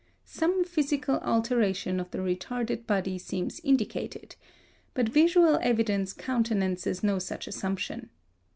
Some physical alteration of the retarded body seems indicated; but visual evidence countenances no such assumption.